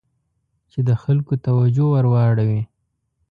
چې د خلکو توجه ور واړوي.